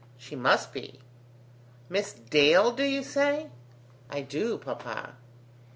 "She must be." "Miss Dale, do you say?" "I do, Papa."